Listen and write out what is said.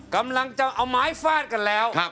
กำลังจะเอาไม้ฟาดกันแล้ว